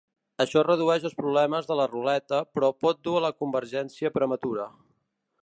Això redueix els problemes de la ruleta però pot dur a la convergència prematura.